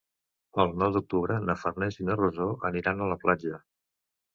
El nou d'octubre na Farners i na Rosó aniran a la platja.